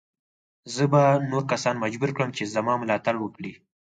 زه به نور کسان مجبور کړم چې زما ملاتړ وکړي.